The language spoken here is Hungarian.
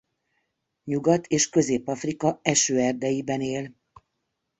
Nyugat- és Közép-Afrika esőerdeiben él.